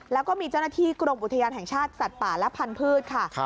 แล้วก็มีเจ้าหน้าที่กรมอุทยานแห่งชาติสัตว์ป่าและพันธุ์ค่ะ